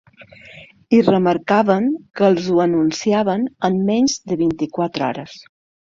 I remarcaven que els ho anunciaven en menys de vint-i-quatre hores.